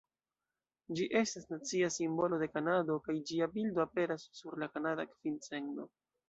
Ĝi estas nacia simbolo de Kanado kaj ĝia bildo aperas sur la kanada kvin-cendo.